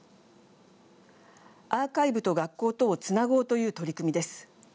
アーカイブと学校とをつなごうという取り組みです。